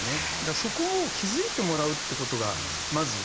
そこを気付いてもらうということがまず第一歩ですね。